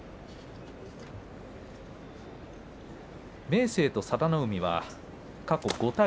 明生と佐田の海は過去５対２。